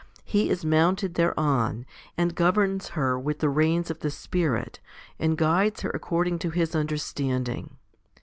He is mounted thereon, and governs her with the reins of the Spirit, and guides her according to His understanding.